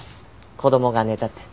子供が寝たって。